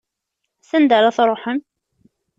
S anda ara truḥem?